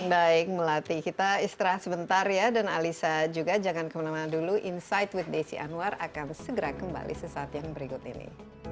baik melati kita istirahat sebentar ya dan alisa juga jangan kemana mana dulu insight with desi anwar akan segera kembali sesaat yang berikut ini